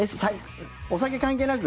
お酒関係なく？